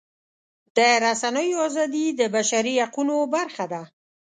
د رسنیو ازادي د بشري حقونو برخه ده.